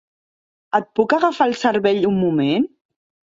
Et puc agafar el cervell un moment?